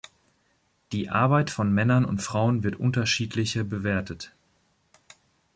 Die Arbeit von Männern und Frauen wird unterschiedliche bewertet.